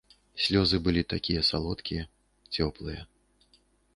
Слёзы былі такія салодкія, цёплыя.